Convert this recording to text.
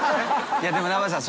いやでも生瀬さん